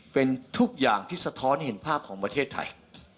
เป็นทุกอย่างที่สะท้อนเห็นภาพของประเทศไทย